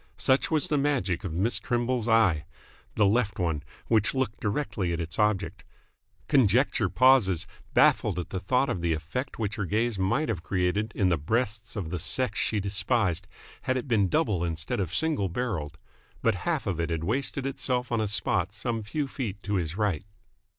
Such was the magic of Miss Trimble's eye the left one, which looked directly at its object. Conjecture pauses baffled at the thought of the effect which her gaze might have created in the breasts of the sex she despised, had it been double instead of single barrelled. But half of it had wasted itself on a spot some few feet to his right.